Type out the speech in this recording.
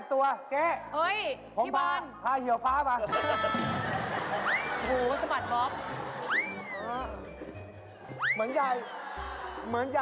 นี่ก็ก็เชื่อแบบญี่ปุ่นขึ้นไหม